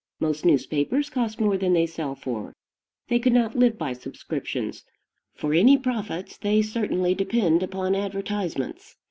Most newspapers cost more than they sell for; they could not live by subscriptions; for any profits, they certainly depend upon advertisements.